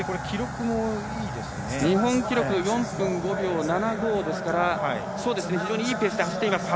日本記録は４分５秒７５ですから非常にいいペースで走っています。